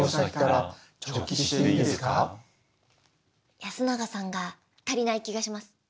やすながさんが足りない気がします。